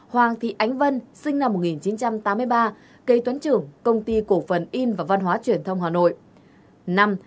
ba hoàng thị ánh vân sinh năm một nghìn chín trăm tám mươi ba cây toán trưởng công ty cổ phần in và văn hóa truyền thông hà nội